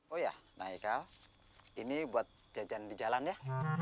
oh ya nah eka ini buat jajan di jalan ya